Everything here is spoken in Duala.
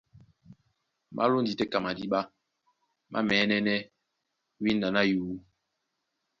Má lóndi tɛ́ ka madíɓá, má mɛ̌nɛ́nɛ́ wínda ná yǔ.